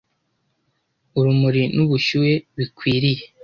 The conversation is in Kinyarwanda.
urumuri n’ubushyuhe bikwiriye,